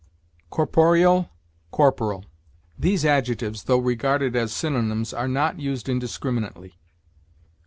CORPOREAL CORPORAL. These adjectives, though regarded as synonyms, are not used indiscriminately.